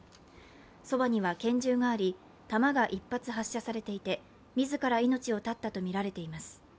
そばには拳銃があり、弾が１発発射されていて自ら命を絶ったとみられています。